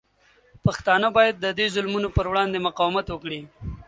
پښتانه باید د دې ظلمونو پر وړاندې مقاومت وکړي.